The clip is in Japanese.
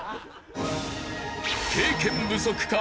経験不足か？